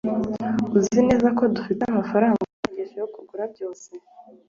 uzi neza ko dufite amafaranga ahagije yo kugura byose